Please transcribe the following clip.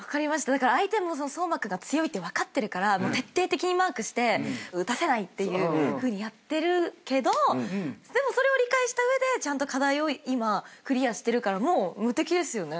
相手も颯真君が強いって分かってるから徹底的にマークして打たせないっていうふうにやってるけどでもそれを理解した上で課題を今クリアしてるからもう無敵ですよね。